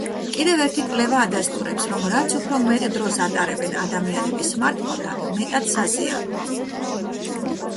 კიდევ ერთი კვლევა ადასტურებს, რომ რაც უფრო მეტ დროს ატარებენ ადამიანები სმარტფონთან, მეტად საზიანოა.